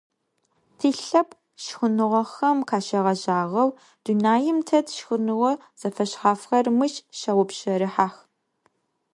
Тилъэпкъ шхыныгъохэм къащегъэжьагъэу, дунаим тет шхыныгъо зэфэшъхьафхэр мыщ щаупщэрыхьэх.